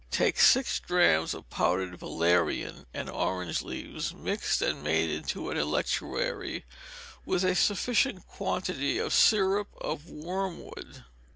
Take six drachms of powdered valerian and orange leaves, mixed and made into an electuary, with a sufficient quantity of syrup of wormwood.